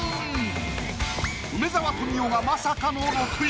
梅沢富美男がまさかの６位！